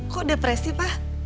kok depresi pa